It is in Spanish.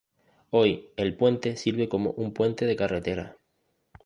Hoy, el puente sirve como un puente de carretera.